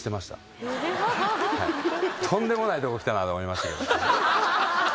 とんでもないとこ来たなと思いました。